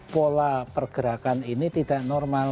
pola pergerakan ini tidak normal